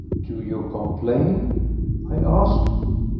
"Do you complain?" I asked.